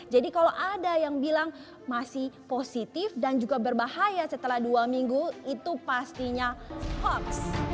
jadi kalau ada yang bilang masih positif dan juga berbahaya setelah dua minggu itu pastinya hoax